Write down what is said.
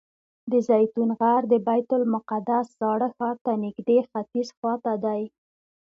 د زیتون غر د بیت المقدس زاړه ښار ته نږدې ختیځ خوا ته دی.